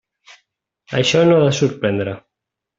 Això no ha de sorprendre.